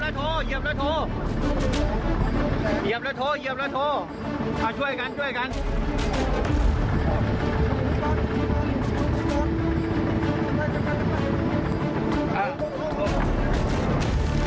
อ้าวจับเชือกแน่นแน่นเลยครับจับจับเชือกแน่นแน่นเลย